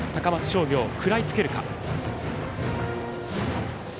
商業食らいつけるか。